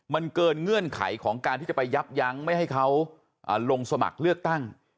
มันเกินเงื่อนไขของการที่จะไปยับยั้งไม่ให้เขาลงสมัครเลือกตั้ง